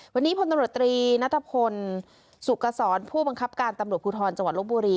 วันนี้พลตำรวจตรีนัทพลสุขสรผู้บังคับการตำรวจภูทรจังหวัดลบบุรี